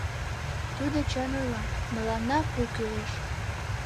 Тудо чын ойла, мыланна пу кӱлеш!